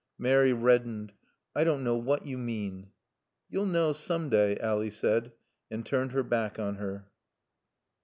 Mary reddened. "I don't know what you mean." "You'll know, some day," Ally said and turned her back on her.